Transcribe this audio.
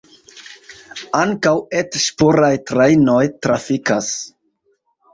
Ankaŭ et-ŝpuraj trajnoj trafikas.